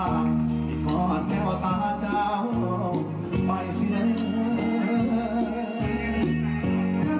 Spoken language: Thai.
พี่ฝอดเท่าตาเจ้าไปเสียเนื่อง